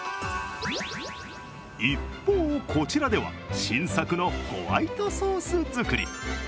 一方、こちらでは新作のホワイトソース作り。